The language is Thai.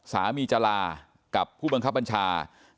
จะลากับผู้บังคับบัญชา